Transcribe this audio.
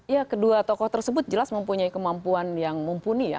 ya kedua tokoh tersebut jelas mempunyai kemampuan yang mumpuni ya